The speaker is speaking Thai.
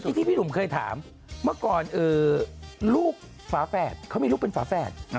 ที่ที่พี่หนุ่มเคยถามเมื่อก่อนลูกฝาแฝดเขามีลูกเป็นฝาแฝด